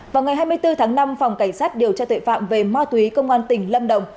vào ngày hai mươi bốn tháng năm phòng cảnh sát điều tra tuệ phạm về ma túy công an tỉnh lâm đồng